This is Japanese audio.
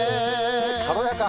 軽やか。